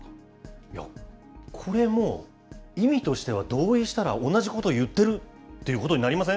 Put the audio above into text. いや、これも意味としては同意したら同じこと言ってるってことになりません？